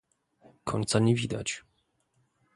Końca nie widać